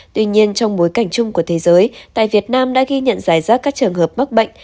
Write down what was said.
tuy nhiên trong bối cảnh chung của thế giới tại việt nam đã ghi nhận giải rác các trường hợp mắc bệnh